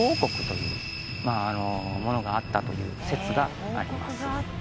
というものがあったという説があります